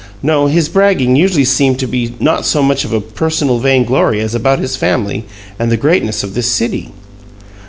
No, his bragging usually seemed to be not so much a personal vainglory as about his family and the greatness of this city."